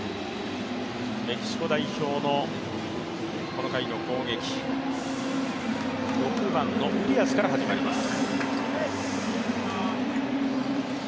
メキシコ代表のこの回の攻撃、６番のウリアスから始まります。